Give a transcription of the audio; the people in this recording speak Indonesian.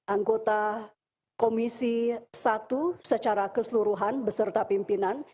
anggota komisi satu secara keseluruhan beserta pimpinan